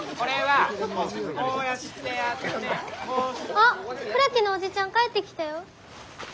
あっ倉木のおじちゃん帰ってきたよ。